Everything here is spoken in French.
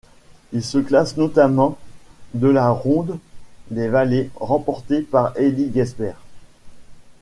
Il se classe notamment de la Ronde des vallées, remportée par Élie Gesbert.